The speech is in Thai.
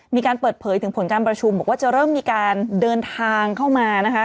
มีการเปิดเผยถึงผลการประชุมบอกว่าจะเริ่มมีการเดินทางเข้ามานะคะ